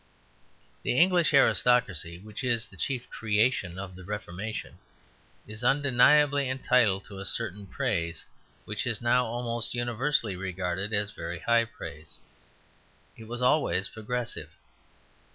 The English aristocracy, which is the chief creation of the Reformation, is undeniably entitled to a certain praise, which is now almost universally regarded as very high praise. It was always progressive.